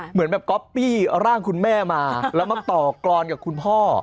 เหมือนแบบก๊อปปี้ร่างคุณแม่มาแล้วมาต่อกรอนกับคุณพ่อ